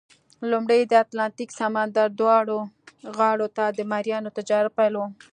لومړی د اتلانتیک سمندر دواړو غاړو ته د مریانو تجارت پیل وو.